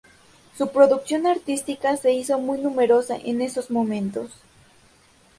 Su producción artística se hizo muy numerosa en esos momentos.